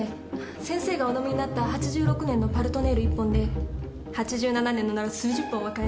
先生がお飲みになった８６年の「パルトネール」１本で８７年のなら数十本は買えます。